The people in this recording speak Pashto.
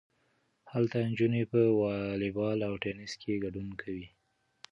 هلته نجونې په والی بال او ټینس کې ګډون کوي.